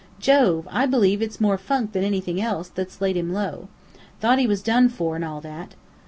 Jove, I believe it's more funk than anything else, that's laid him low. Thought he was done for, and all that.